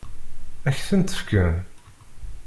Ad k-tent-fken?